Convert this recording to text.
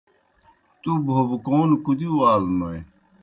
تُوْ بھوبکون کُدِیؤ آلوْنوئے؟